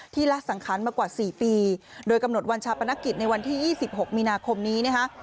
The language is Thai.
ที่ล่ะสังคัญมากว่าสี่ปีโดยกำหนดวันชะปนักอยู่ในวันที่ยี่สิบหกมินาคมนี้นะคะ